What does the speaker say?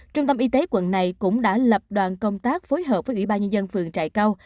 trung tâm y tế quận này cũng đã lập đoàn công tác phối hợp với ủy ban nhân dân phường trại cao